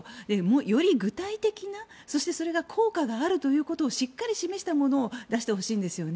より具体的なそして効果があるということをしっかり示したものを出してほしいんですよね。